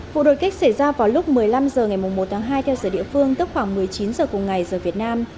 vụ đột kích xảy ra vào lúc một mươi năm h ngày một tháng hai theo giờ địa phương tức khoảng một mươi chín h cùng ngày giờ việt nam